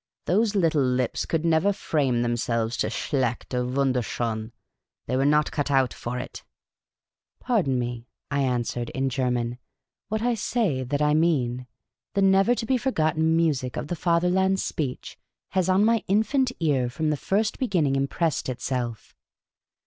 " Those little lips could never frame themselves to ' schlccht ' or ' ivundcrschbn '; they were not cut out for it." " Pardon me," I answered, in German. " What I .say, ■.^),\<::> The Cantankerous Old Lady 13 that I mean. The uever to be forgotten music of the Father land's speech has on my infant ear from the first beginning impressed itself.